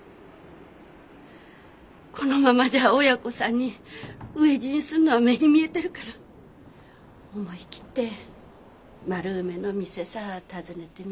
このままじゃ親子３人飢え死にするのは目に見えてるから思い切って丸梅の店さ訪ねてみました。